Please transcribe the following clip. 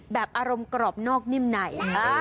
แบบอารมณ์กรอบนอกนิ่มไหน